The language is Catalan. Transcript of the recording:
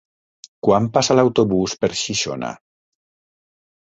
Quan passa l'autobús per Xixona?